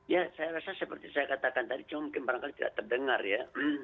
ya saya rasa seperti saya katakan tadi cuma mungkin barangkali tidak terdengar ya